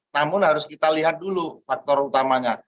namun harus kita lihat dulu faktor utamanya